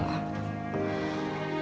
eh datang bella